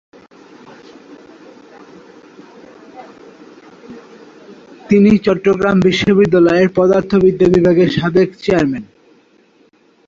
তিনি চট্টগ্রাম বিশ্ববিদ্যালয়ের পদার্থবিদ্যা বিভাগের সাবেক চেয়ারম্যান।